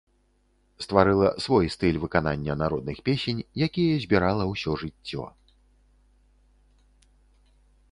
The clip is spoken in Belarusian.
Стварыла свой стыль выканання народных песень, якія збірала ўсё жыццё.